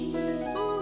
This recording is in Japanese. うん。